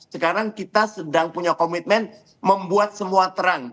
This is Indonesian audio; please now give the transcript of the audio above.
sekarang kita sedang punya komitmen membuat semua terang